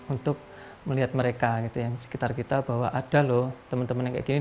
untuk melihat mereka yang sekitar kita bahwa ada loh teman teman yang kaya itu